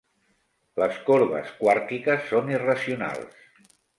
Les corbes quàrtiques són irracionals.